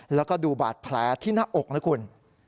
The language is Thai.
แล้วก็ดูบาดแผลที่หน้าอกนะคุณ